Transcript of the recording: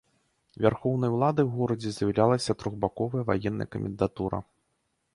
Вярхоўнай уладай у горадзе з'яўлялася трохбаковая ваенная камендатура.